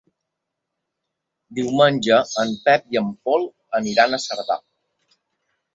Diumenge en Pep i en Pol aniran a Cerdà.